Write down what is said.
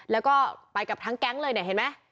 แล้วก็ไปกับทั้งแก๊งเลยเนี่ยเห็นไหม